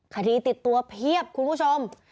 คดีติดตัวเพียบคุณผู้ชม